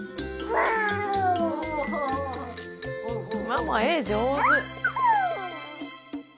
ママ絵上手。